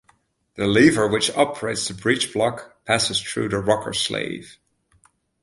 The lever which operates the breech-block passes through the rocker-sleeve.